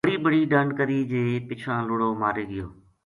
بڑی بڑی ڈَنڈ کر ی جے پِچھاں لُڑو مارے گیو